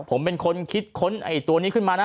ผมเป็นคนคิดค้นไอ้ตัวนี้ขึ้นมานะ